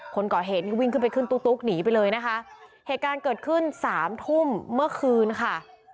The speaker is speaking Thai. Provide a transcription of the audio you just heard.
คนก่อเหตุนี่วิ่งขึ้นไปขึ้นตุ๊กตุ๊กหนีไปเลยนะคะเหตุการณ์เกิดขึ้นสามทุ่มเมื่อคืนค่ะ